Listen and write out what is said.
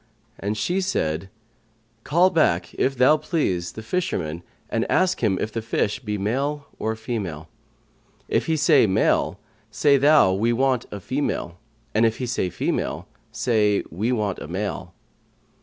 and she said, "Call back, if thou so please, the fisherman and ask him if the fish be male or female. If he say, Male,' say thou, We want a female,' and if he say, Female,' say, We want a male.'"